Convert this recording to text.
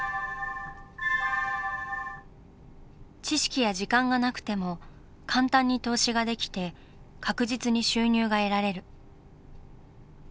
知識や時間がなくても簡単に投資ができて確実に収入が得られる。